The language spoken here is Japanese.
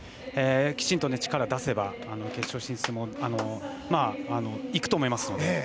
きちんと力を出せば決勝進出もいけると思います。